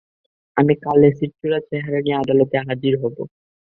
আমি কাল এসিড ছুড়া চেহারা নিয়ে আদালতে হাজির হব।